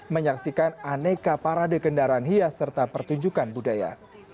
menyaksikan aneka parade kendaraan hias serta pertunjukan budaya